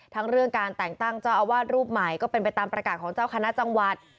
ทั้งเรื่องการแต่งตั้งเจ้าอาวาสรูปใหม่ก็เป็นไปตามประกาศของเจ้าคณะจังหวัด